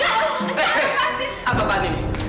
hei apa bahan ini